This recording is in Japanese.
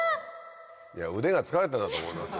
いや腕が疲れてたんだと思いますよ。